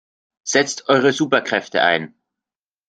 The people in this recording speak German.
Setzt eure Superkräfte ein!